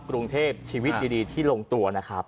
กรุงเทพชีวิตดีที่ลงตัวนะครับ